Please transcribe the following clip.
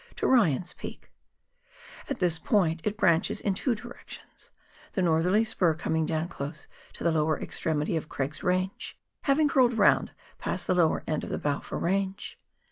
j, to Ryan's Peak ; at this point it branches in two directions, the northerly spur coming down close to the lower extremity of Craig's Range, having curled round past the lower end of the Balfour Pi^ange.